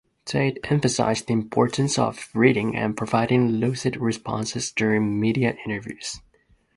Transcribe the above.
Tate emphasized the importance of reading and providing lucid responses during media interviews.